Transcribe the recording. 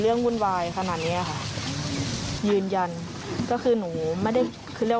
วุ่นวายขนาดเนี้ยค่ะยืนยันก็คือหนูไม่ได้คือเรียกว่า